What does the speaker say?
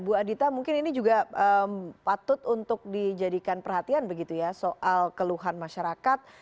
bu adita mungkin ini juga patut untuk dijadikan perhatian begitu ya soal keluhan masyarakat